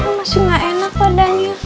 masih gak enak badannya